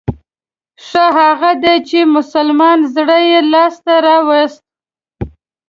ښه هغه دی چې د مسلمان زړه يې لاس ته راووست.